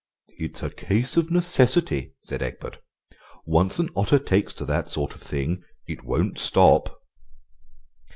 "It's a case of necessity," said Egbert; "once an otter takes to that sort of thing it won't stop."